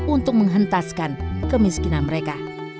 untuk menghentaskan kemiskinan mereka